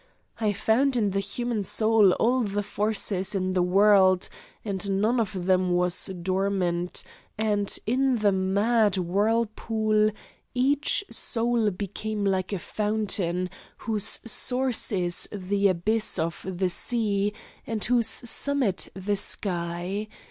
I found in the human soul all the forces in the world, and none of them was dormant, and in the mad whirlpool each soul became like a fountain, whose source is the abyss of the sea and whose summit the sky.